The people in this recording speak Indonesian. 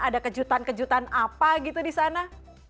ada kejutan kejutan apa gitu di sana